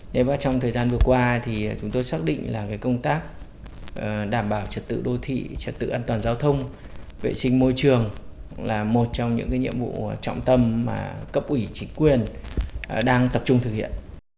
nên và trong thời gian vừa qua thì chúng tôi xác định là công tác đảm bảo trật tự đô thị trật tự an toàn giao thông vệ sinh môi trường là một trong những nhiệm vụ trọng tâm mà cấp ủy chính quyền đang tập trung thực hiện